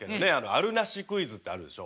あるなしクイズってあるでしょ？